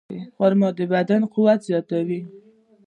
خرما د بدن قوت زیاتوي.